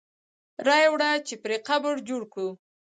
را یې وړه چې پرې قبر جوړ کړو.